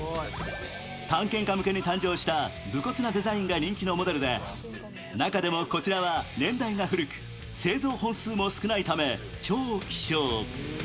探検家向けに誕生した武骨なデザインが人気のモデルで中でもこちらは年代が古く製造本数も少ないため超希少。